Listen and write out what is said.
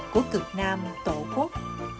của cực nam tổ quốc